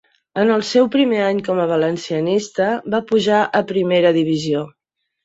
En el seu primer any com a valencianista va pujar a Primera divisió.